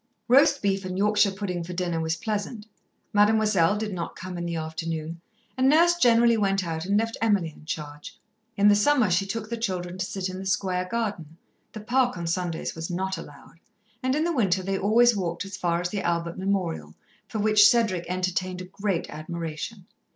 Roast beef and Yorkshire pudding for dinner was pleasant. Mademoiselle did not come in the afternoon, and Nurse generally went out and left Emily in charge. In the summer she took the children to sit in the Square garden the Park on Sundays was not allowed and in the winter they always walked as far as the Albert Memorial, for which Cedric entertained a great admiration.